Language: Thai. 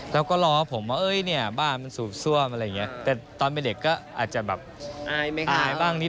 แล้วก็รอผมเนี่ยบ้านตรงส่วนอะไรอย่างนี้